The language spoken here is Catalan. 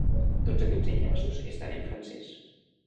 Tots aquests enllaços estan en francès.